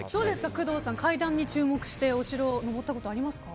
工藤さん、階段に注目してお城を上ったことありますか？